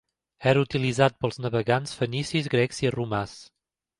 Era utilitzat pels navegants fenicis, grecs i romans.